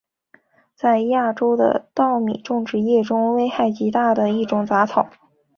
在亚洲的稻米种植业中是危害极大的一种杂草。